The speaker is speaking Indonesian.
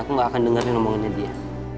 aku gak akan dengerin omongannya dia